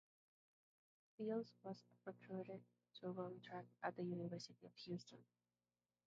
Fields was recruited to run track at the University of Houston.